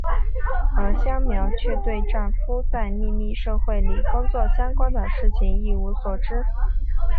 而香苗却对丈夫在秘密社会里工作相关的事情一无所知。